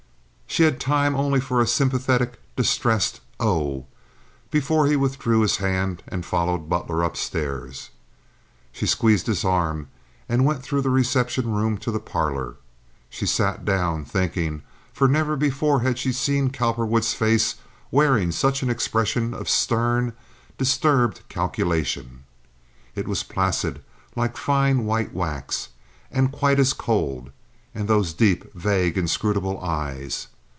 She had time only for a sympathetic, distressed "Oh," before he withdrew his hand and followed Butler upstairs. She squeezed his arm, and went through the reception room to the parlor. She sat down, thinking, for never before had she seen Cowperwood's face wearing such an expression of stern, disturbed calculation. It was placid, like fine, white wax, and quite as cold; and those deep, vague, inscrutable eyes!